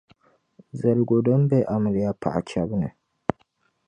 Zaligu din be amiliya paɣa chεbu ni.